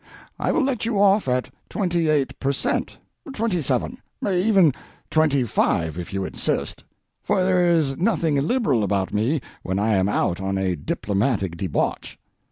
I will let you off at twenty eight per cent.—twenty seven—even twenty five if you insist, for there is nothing illiberal about me when I am out on a diplomatic debauch.